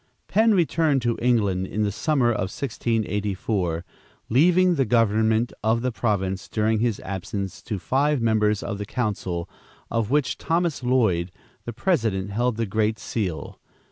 Penn returned to England in the summer of 1684, leaving the government of the province during his absence to five members of the council, of which Thomas Lloyd, the president, held the great seal.